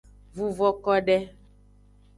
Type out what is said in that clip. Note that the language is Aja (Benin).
Vuvo kode.